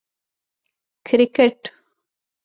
🏏 کرکټ